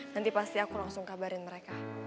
nanti pasti aku langsung kabarin mereka